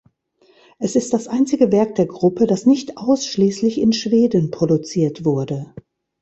Es ist das einzige Werk der Gruppe, das nicht ausschließlich in Schweden produziert wurde.